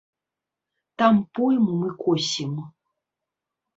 Там пойму мы косім.